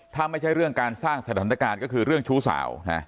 ถ้าไม่ใช่เรื่องการสร้างสถานการณ์ก็คือเรื่องชู้สาว